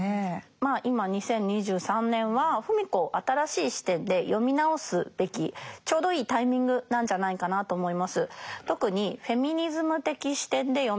まあ今２０２３年は芙美子を新しい視点で読み直すべきちょうどいいタイミングなんじゃないかなと思います。